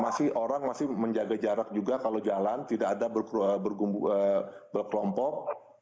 masih orang masih menjaga jarak juga kalau jalan tidak ada berkelompok